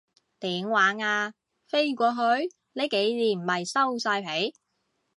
點玩啊，飛過去？呢幾年咪收晒皮